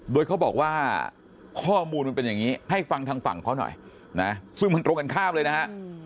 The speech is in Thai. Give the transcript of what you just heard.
โดยเขาบอกว่าข้อมูลมันเป็นอย่างนี้ให้ฟังทางฝั่งเขาหน่อยนะซึ่งมันตรงกันข้ามเลยนะฮะ